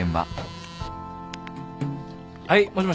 はいもしもし。